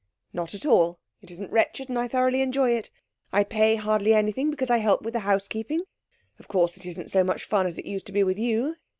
'Not at all. It isn't wretched, and I thoroughly enjoy it. I pay hardly anything, because I help with the housekeeping. Of course it isn't so much fun as it used to be with you.